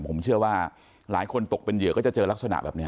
ผมเชื่อว่าหลายคนตกเป็นเหยื่อก็จะเจอลักษณะแบบนี้